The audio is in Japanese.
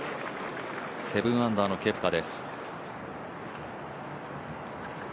７アンダーのケプカです。